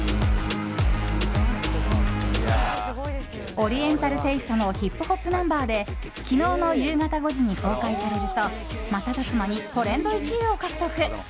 オリエンタルテイストのヒップホップナンバーで昨日の夕方５時に公開されると瞬く間にトレンド１位を獲得。